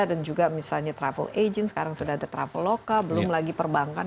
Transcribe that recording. dan juga misalnya travel agent sekarang sudah ada traveloka belum lagi perbankan